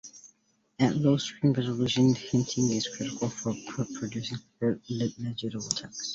At low screen resolutions, hinting is critical for producing clear, legible text.